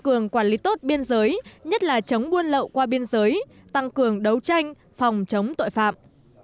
cường quản lý tốt biên giới nhất là chống buôn lậu qua biên giới tăng cường đấu tranh phòng chống tội phạm